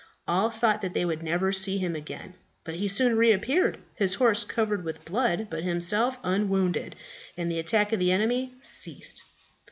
All thought that they would never see him again. But he soon reappeared, his horse covered with blood, but himself unwounded; and the attack of the enemy ceased.